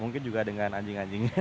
mungkin juga dengan anjing anjingnya